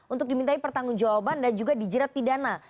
untuk dimintai pertanggung jawaban dan juga dijerat pidana